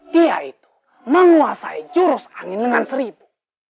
dia itu menguasai jurus angin dengan seribu